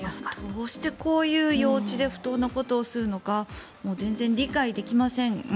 どうしてこういう幼稚で不当なことをするのか全然理解できません。